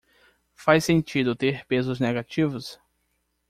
Faz sentido ter pesos negativos?